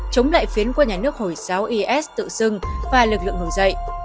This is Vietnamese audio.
chống lại phiến của nhà nước hồi giáo is tự dưng và lực lượng ngừng dậy